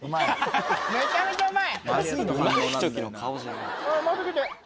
めちゃめちゃうまい！